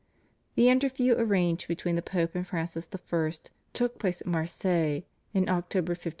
The interview arranged between the Pope and Francis I. took place at Marseilles in October 1533.